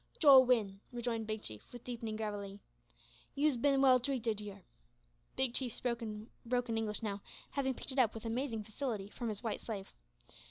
"Jowin," rejoined Big Chief, with deepening gravity, "you's bin well treated here." Big Chief spoke in broken English now, having picked it up with amazing facility from his white slave.